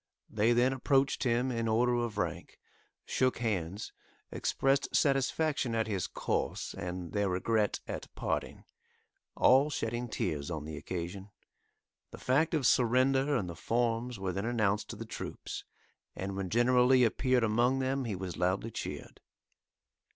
They then approached him in order of rank, shook hands, expressed satisfaction at his course and their regret at parting, all shedding tears on the occasion. The fact of surrender and the forms were then announced to the troops, and when General Lee appeared among them he was loudly cheered.